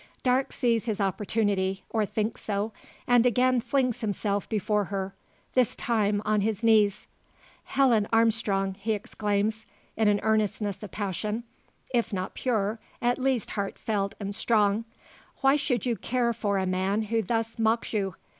Darke sees his opportunity, or thinks so; and again flings himself before her this time on his knees. "Helen Armstrong!" he exclaims, in an earnestness of passion if not pure, at least heartfelt and strong "why should you care for a man who thus mocks you?